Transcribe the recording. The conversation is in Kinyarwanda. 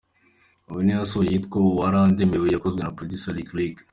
Ubu iyo yasohoye yitwa ‘Warandemewe’ yakozwe na Producer Lick Lick.